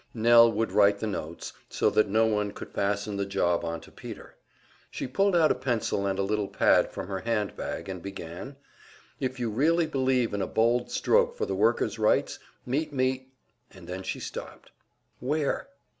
Nell would write the notes, so that no one could fasten the job onto Peter. She pulled out a pencil and a little pad from her handbag, and began: "If you really believe in a bold stroke for the workers' rights, meet me " And then she stopped. "Where?"